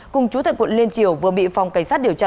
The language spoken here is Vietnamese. cùng chủ tịch quận liên triều vừa bị phòng cảnh sát điều tra